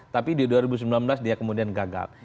tapi di dua ribu sembilan belas dia kemudian gagal